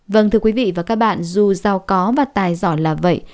vâng thưa quý vị và các bạn dù giàu có và tài giỏ là vậy